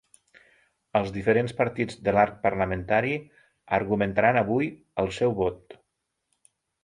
Els diferents partits de l’arc parlamentari argumentaran avui el seu vot.